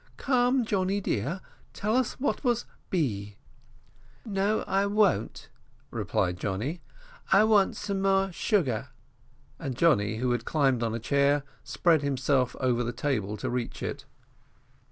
Come, Johnny dear, tell us what was B." "No, I won't," replied Johnny, "I want some more sugar;" and Johnny, who had climbed on a chair, spread himself over the table to reach it.